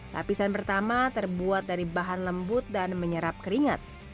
lapisan pertama terbuat dari bahan lembut dan menyerap keringat